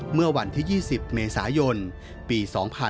เมื่อวันที่๒๐เมษายนปี๒๕๕๙